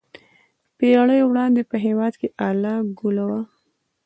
پېړۍ وړاندې په هېواد کې اله ګوله وه.